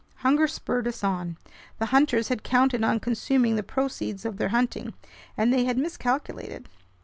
Hunger spurred us on. The hunters had counted on consuming the proceeds of their hunting, and they had miscalculated.